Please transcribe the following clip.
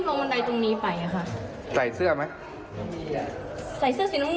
แต่หนูตกใจคะแล้วหนูก็เลยรีบวิ่ง